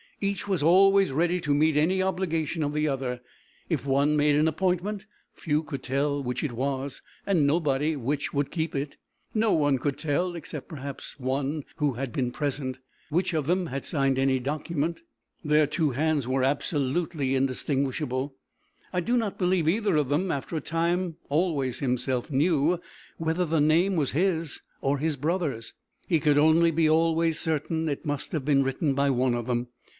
Each was always ready to meet any obligation of the other. If one made an appointment, few could tell which it was, and nobody which would keep it. No one could tell, except, perhaps, one who had been present, which of them had signed any document: their two hands were absolutely indistinguishable, I do not believe either of them, after a time, always himself knew whether the name was his or his brother's. He could only be always certain it must have been written by one of them.